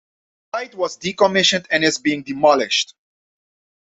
The ride was decommissioned and is being demolished.